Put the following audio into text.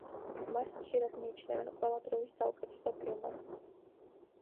მას ხშირად მიიჩნევენ ყველა დროის საუკეთესო ფილმად.